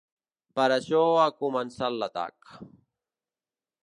Per això ha comença l’atac.